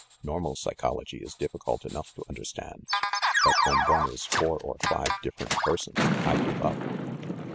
Normal psychology is difficult enough to understand ; but when one is four or five different persons I give up.